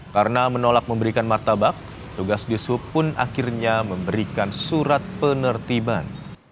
karena menolak memberikan martabak petugas dishub pun akhirnya memberikan surat penertiban